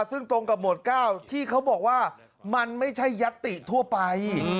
ซึ่งตรงกับหมวด๙ที่เขาบอกว่ามันไม่ใช่ยัตติทั่วไป